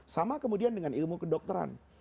sama kemudian dengan ilmu kedokteran